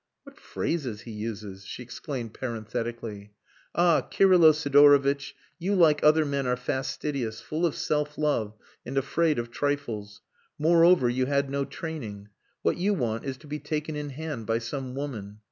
"What phrases he uses!" she exclaimed parenthetically. "Ah! Kirylo Sidorovitch, you like other men are fastidious, full of self love and afraid of trifles. Moreover, you had no training. What you want is to be taken in hand by some woman.